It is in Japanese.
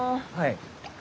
はい。